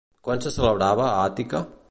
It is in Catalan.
Quan se celebrava a Àtica?